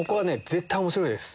絶対面白いです。